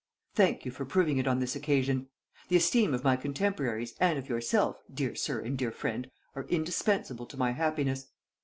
Thank you for proving it on this occasion. The esteem of my contemporaries and of yourself, dear sir and dear friend, are indispensable to my happiness.